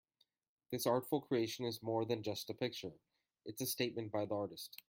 This artful creation is more than just a picture, it's a statement by the artist.